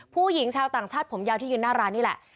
ผู้หญิงชาวต่างชาติผมยาวที่ยืนหน้าร้านนี่แหละ